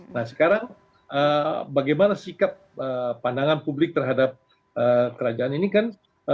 nah sekarang bagaimana sikap pandangan publik terhadap kerajaan ini kan